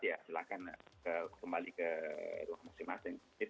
ya silakan kembali ke ruang musim masing masing